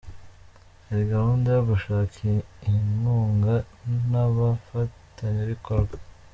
Hari gahunda yo gushaka inkunga n’abafatanyabikorwa.